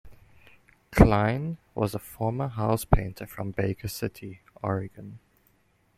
Cline was a former house painter from Baker City, Oregon.